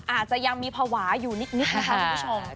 อาจจะยังมีภาวะอยู่นิดนะคะคุณผู้ชม